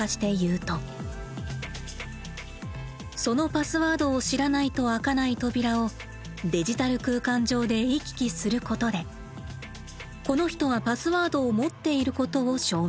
そのパスワードを知らないと開かない扉をデジタル空間上で行き来することで「この人はパスワードを持っている」ことを証明。